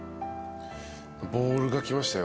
ボールが来ましたよ。